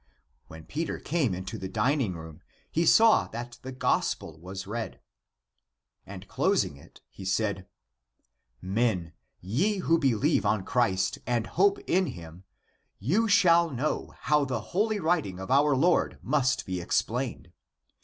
When Peter came into the dining room he saw that the gospel was read. And closing it he said, " Men, ye who believe on Christ and hope in him, you shall know how the holy writing of our Lord must ACTS OF PETER 89 be explained.